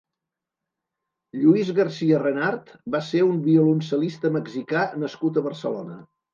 Lluís Garcia Renart va ser un violoncel·lista -mexicà nascut a Barcelona.